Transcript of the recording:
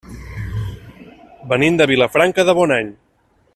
Venim de Vilafranca de Bonany.